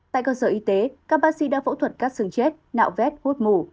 tại cơ sở y tế các bác sĩ đã phẫu thuật cắt xương chết nạo vét hút mù